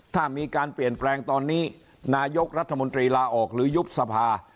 ถ้ามีการเปลี่ยนแปลงตอนนี้นายกรัฐมนตรีลาออกหรือยุบสภา